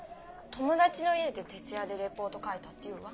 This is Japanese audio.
友達の家で徹夜でレポート書いたって言うわ。